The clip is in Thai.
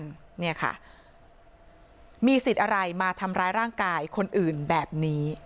เรื่องเขาบอกว่าว่าเดี๋ยวมีสิทธิ์อะไรมาทำร้ายร่างกายคนอื่นแบบนี้